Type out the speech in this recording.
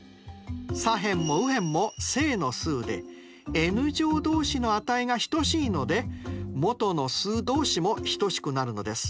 左辺も右辺も正の数でｎ乗同士の値が等しいので元の数同士も等しくなるのです。